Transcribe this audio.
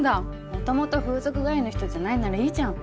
もともと風俗通いの人じゃないならいいじゃん。